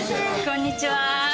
こんにちは。